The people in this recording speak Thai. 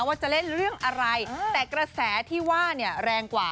ว่าจะเล่นเรื่องอะไรแต่กระแสที่ว่าเนี่ยแรงกว่า